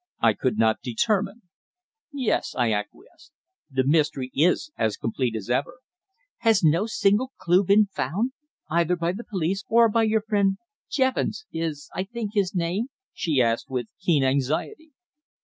I could not determine. "Yes," I acquiesced. "The mystery is as complete as ever." "Has no single clue been found, either by the police or by your friend Jevons is, I think, his name?" she asked, with keen anxiety.